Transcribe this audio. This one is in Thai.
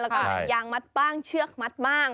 แล้วก็หนังยางมัดบ้างเชือกมัดบ้าง